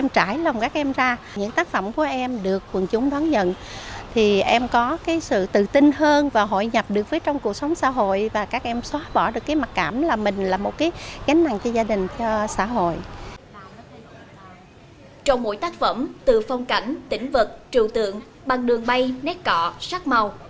trong mỗi tác phẩm từ phong cảnh tỉnh vật trường tượng băng đường bay nét cọ sắc màu